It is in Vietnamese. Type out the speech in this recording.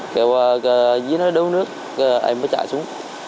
kêu dưới nó đấu nước em mới chạy xuống